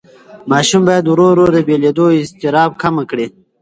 ماشوم باید ورو ورو د بېلېدو اضطراب کمه کړي.